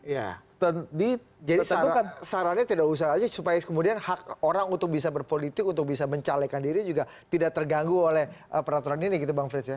jadi sarannya tidak usah aja supaya kemudian hak orang untuk bisa berpolitik untuk bisa mencalekan diri juga tidak terganggu oleh peraturan ini gitu bang frits ya